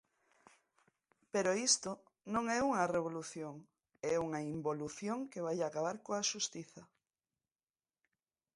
Pero isto non é unha revolución, é unha involución que vai acabar coa xustiza.